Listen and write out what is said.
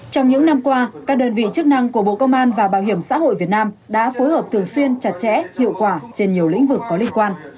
trong những năm qua các đơn vị chức năng của bộ công an và bảo hiểm xã hội việt nam đã phối hợp thường xuyên chặt chẽ hiệu quả trên nhiều lĩnh vực có liên quan